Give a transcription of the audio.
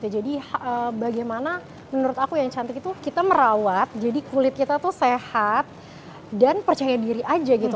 jadi bagaimana menurut aku yang cantik itu kita merawat jadi kulit kita tuh sehat dan percaya diri aja gitu